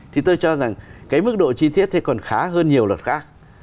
thì tôi cho rằng cái mức độ chi tiết thì còn khá hơn nhiều luật khác